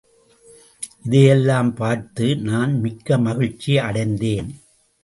இதை எல்லாம் பார்த்துநான் மிக்க மகிழ்ச்சி அடைந்தேன்.